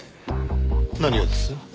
何がです？